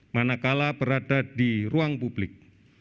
manakala berada di ruang publik